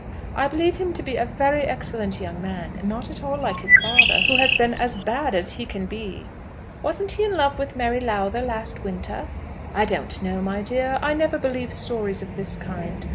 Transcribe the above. "I believe him to be a very excellent young man, not at all like his father, who has been as bad as he can be." "Wasn't he in love with Mary Lowther last winter?" "I don't know, my dear. I never believe stories of this kind.